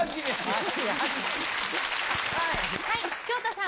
はい昇太さん。